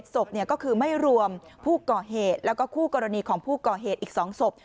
ศพก็คือไม่รวมผู้ก่อเหตุแล้วก็คู่กรณีของผู้ก่อเหตุอีก๒ศพ